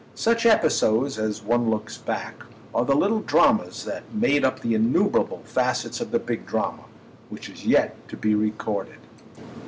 Such episodes, as one looks back, are the little dramas that made up the innumerable facets of the big drama—which is yet to be reported.